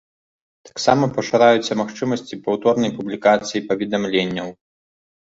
Таксама пашыраюцца магчымасці паўторнай публікацыі паведамленняў.